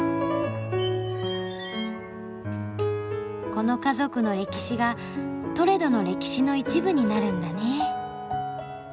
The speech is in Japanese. この家族の歴史がトレドの歴史の一部になるんだねえ。